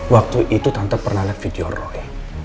waktu itu tante pernah lihat video rock